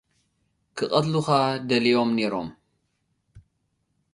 ክቐትሉኻ ደልዮም ኔሮም።